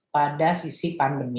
pada sisi pandemi